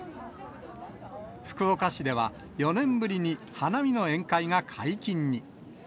福岡市では４年ぶりに花見の宴会が解禁に。